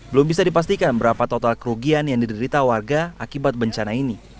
belum bisa dipastikan berapa total kerugian yang diderita warga akibat bencana ini